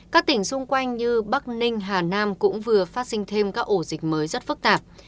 các tỉnh xung quanh như bắc ninh hà nam cũng vừa phát sinh thêm các ổ dịch mới rất phức tạp